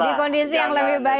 di kondisi yang lebih baik